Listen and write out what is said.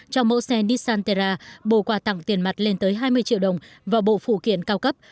cho mẫu xe nissan terra bổ quà tặng tiền mặt lên tới hai mươi triệu đồng vào bộ phụ kiện cao cấp